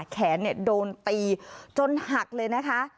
แขนโดนตีจนหักเลยนะคะ